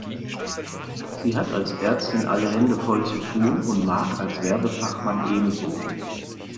Sie hat als Ärztin alle Hände voll zu tun und Mark als Werbefachmann ebenso.